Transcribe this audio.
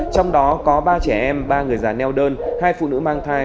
trong đó có ba trẻ em ba người già neo đơn hai phụ nữ mang thai